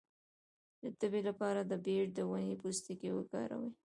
د تبې لپاره د بید د ونې پوستکی وکاروئ